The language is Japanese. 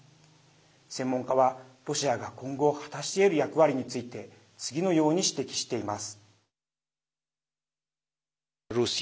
専門家はロシアが今後果たしえる役割について次のように指摘しています。